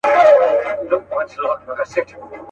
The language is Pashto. د کسبونو جایدادونو ګروېږني.